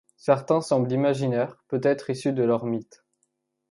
Certains semblent imaginaires, peut-être issus de leurs mythes.